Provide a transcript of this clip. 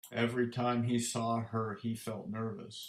Every time he saw her, he felt nervous.